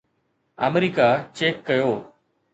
آمريڪا check ڪيو